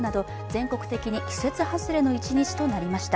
全国的に季節外れの一日となりました。